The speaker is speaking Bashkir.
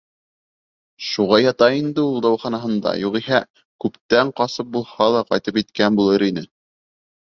Шуға ята инде ул дауаханаһында, юғиһә, күптән ҡасып булһа ла ҡайтып еткән булыр ине.